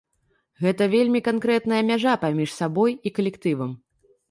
Гэта вельмі канкрэтная мяжа паміж сабой і калектывам.